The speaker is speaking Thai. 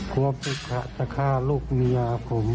กลัวปุ๊กฮะจะฆ่าลูกมียาผม